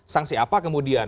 sanksi apa kemudian